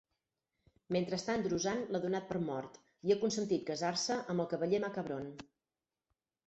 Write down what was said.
Mentrestant, Druzane l'ha donat per mort i ha consentit casar-se amb el cavaller Macabron.